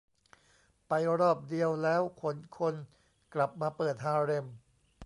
ไปรอบเดียวแล้วขนคนกลับมาเปิดฮาเร็ม